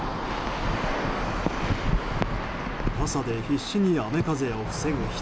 傘で必死に雨風を防ぐ人。